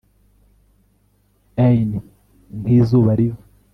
Een nkizuba riva